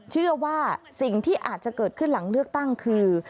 เชื่อว่าสิ่งที่อาจจะเกิดขึ้นหลังเลือกตั้งคือ